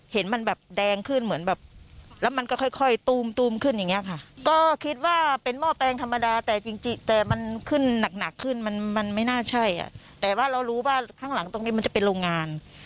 เห็นมันแบบแดงขึ้นเหมือนแบบแล้วมันก็ค่อยค่อยตูมขึ้นอย่างเงี้ยค่ะก็คิดว่าเป็นหม้อแปลงธรรมดาแต่จริงแต่มันขึ้นหนักหนักขึ้นมันมันไม่น่าใช่อ่ะแต่ว่าเรารู้ว่าข้างหลังตรงนี้มันจะเป็นโรงงาน